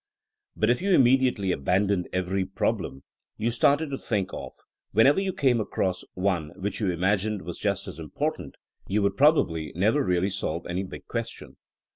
But if you immediately abandoned every problem you started to think of, whenever you came across one which you imagined was just as important, you would probably never really solve any big question.